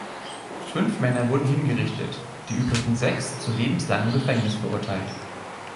Fünf Männer wurden hingerichtet, die übrigen sechs zu lebenslangem Gefängnis verurteilt.